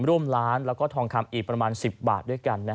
ร่วมล้านแล้วก็ทองคำอีกประมาณ๑๐บาทด้วยกัน